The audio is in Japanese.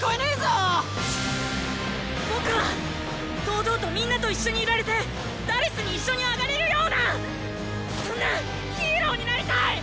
堂々とみんなと一緒にいられて「４」に一緒に上がれるようなそんなっ悪魔になりたい！